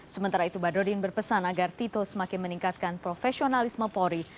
sementara itu badrodin berpesan agar tito semakin meningkatkan profesionalisme polri